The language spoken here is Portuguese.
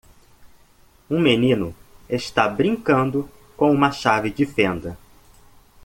Um menino está brincando com uma chave de fenda.